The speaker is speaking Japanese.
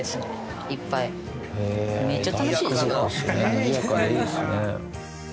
にぎやかでいいですね。